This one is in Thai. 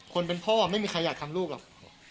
คนเป็นพ่อไม่มีใครอยากทำลูกหรอก